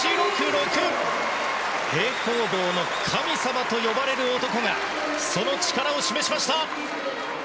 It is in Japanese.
平行棒の神様と呼ばれる男がその力を示しました。